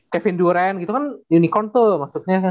kevin durant gitu kan unicorn tuh maksudnya